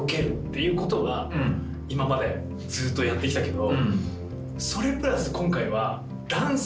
いうことは今までずっとやって来たけど。